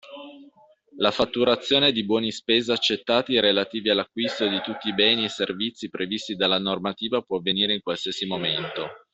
La fatturazione di buoni di spesa accettati relativi all’acquisto di tutti i beni e servizi previsti dalla normativa può avvenire in qualsiasi momento.